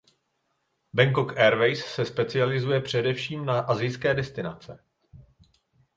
Bangkok Airways se specializují převážně na asijské destinace.